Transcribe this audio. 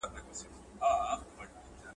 عقل انسان کار ته هڅوي.